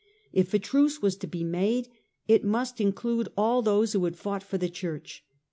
If a truce was to be made, it must include all those who had fought for the Church.